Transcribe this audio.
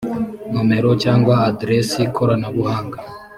nomero cyangwa aderesi koranabuhanga